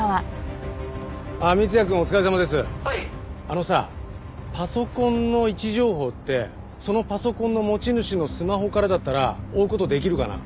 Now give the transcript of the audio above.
あのさパソコンの位置情報ってそのパソコンの持ち主のスマホからだったら追う事できるかな？